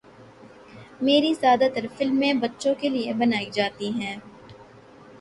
میری زیادہ تر فلمیں بچوں کیلئے بنائی جاتی ہیں